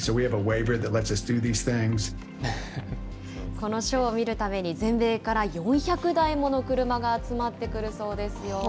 このショーを見るために、全米から４００台もの車が集まってくるそうですよ。